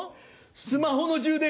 スマホの充電